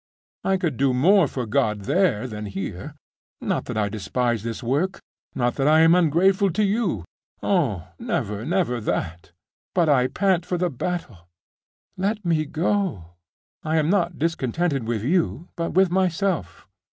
I could do more for God there than here .... Not that I despise this work not that I am ungrateful to you oh, never, never that! but I pant for the battle. Let me go! I am not discontented with you, but with myself.